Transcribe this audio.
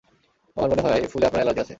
আমার মনে হয়, ফুলে আপনার এলার্জি আছে?